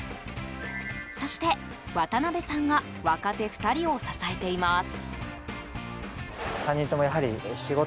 そして、渡辺さんが若手２人を支えています。